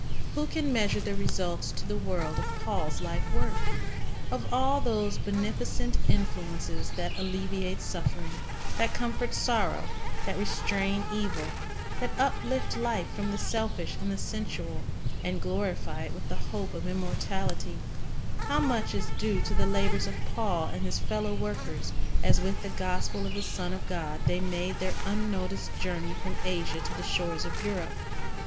"" Who can measure the results to the world of Paul's life work? Of all those beneficent influences that alle viate suffering, that comfort sorrow, that restrain evil, that uplift life from the selfish and the sensual, and glorify it with the hope of immortality, how much is due to the labors of Paul and his fellow workers, as with the gospel of the Son of God they made their unnoticed journey from Asia to the shores of Europe?